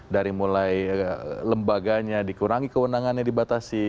dari mulai lembaganya dikurangi kewenangannya dibatasi